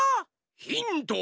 ヒント！